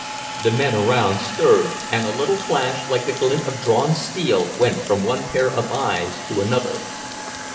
The men around stirred, and a little flash like the glint of drawn steel went from one pair of eyes to another.